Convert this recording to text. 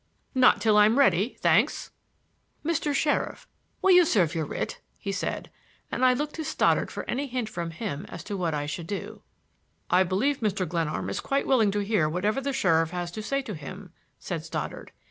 "Not till I'm ready,—thanks!" "Mr. Sheriff, will you serve your writ?" he said, and I looked to Stoddard for any hint from him as to what I should do. "I believe Mr. Glenarm is quite willing to hear whatever the sheriff has to say to him," said Stoddard.